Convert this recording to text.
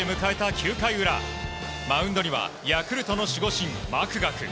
９回裏マウンドにはヤクルトの守護神マクガフ。